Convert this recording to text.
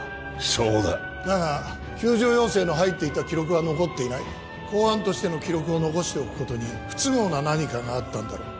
そうだだが救助要請の入っていた記録は残っていない公安としての記録を残しておくことに不都合な何かがあったんだろう